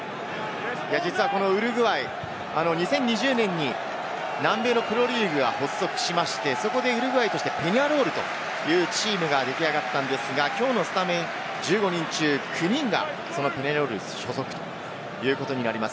ウルグアイ、２０２０年に南米のプロリーグが発足して、ウルグアイとしてペニャロールというチームが出来上がったんですが、きょうのスタメン、１５人中９人がペニャロール所属となります。